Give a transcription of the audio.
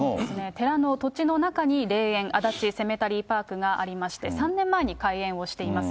寺の土地の中に霊園、足立セメタリーパークがありまして、３年前に開園をしています。